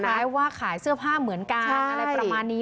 คล้ายว่าขายเสื้อผ้าเหมือนกันอะไรประมาณนี้